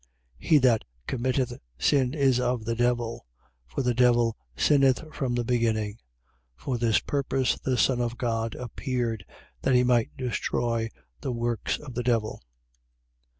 3:8. He that committeth sin is of the devil: for the devil sinneth from the beginning. For this purpose the Son of God appeared, that he might destroy the works of the devil.